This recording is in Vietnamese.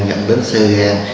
dẫn đến sơ gan